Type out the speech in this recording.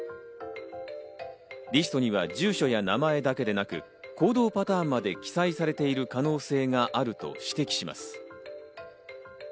リストには住所や名前だけでなく、行動パターンまで記載されている可能性があると指摘します。